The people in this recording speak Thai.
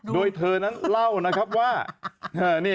โดยเธอนั้นเล่านะครับว่า